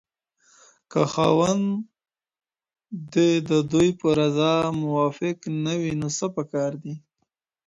که خاوند د دوی په رضا موافق نه وي نو څه پکار دي؟